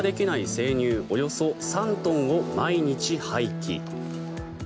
生乳およそ３トンを毎日廃棄。